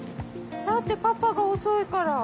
だってパパが遅いから。